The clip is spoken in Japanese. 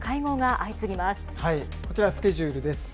こちら、スケジュールです。